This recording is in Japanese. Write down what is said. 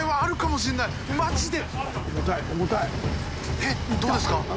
えっどうですか？